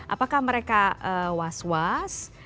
apakah mereka was was